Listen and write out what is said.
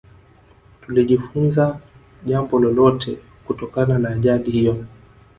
Tulijifunza jambo lolote kutokana na ajali hiyo